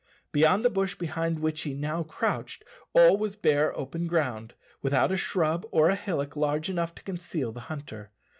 Beyond the bush behind which he now crouched all was bare open ground, without a shrub or a hillock large enough to conceal the hunter.